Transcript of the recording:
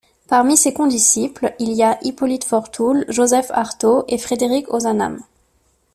Parmi ses condisciples, il y a Hippolyte Fortoul, Joseph Arthaud et Frédéric Ozanam.